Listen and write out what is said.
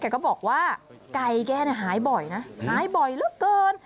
ก็บอกว่าไก่แกหายบ่อยนะหายบ่อยเหลือเกิน